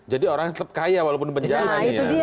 jadi orang tetap kaya walaupun di penjara